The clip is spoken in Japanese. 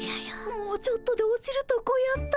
もうちょっとで落ちるとこやった。